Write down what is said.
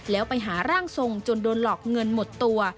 แล้วไปหาร่างทรงจนโดนหลอกเงินหมดตัว